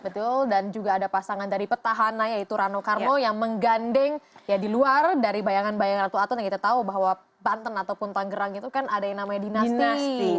betul dan juga ada pasangan dari petahana yaitu rano karno yang menggandeng ya di luar dari bayangan bayang ratu atun yang kita tahu bahwa banten ataupun tanggerang itu kan ada yang namanya dinasti